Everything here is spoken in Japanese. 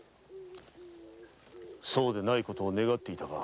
そうでない事を願っていたが。